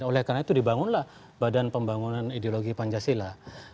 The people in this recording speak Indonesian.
oleh karena itu dibangunlah badan pembangunan ideologi pancasila